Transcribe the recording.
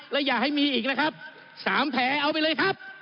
และอย่าให้มีอีกนะครับ๓แผลเอาไปเลยครับ